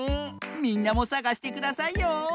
みんなもさがしてくださいよ。